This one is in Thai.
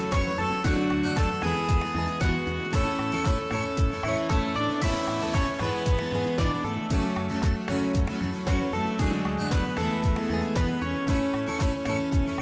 โปรดติดตามตอนต่อไป